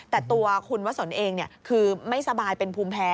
แต่ตัวคุณวะสนเองคือไม่สบายเป็นภูมิแพ้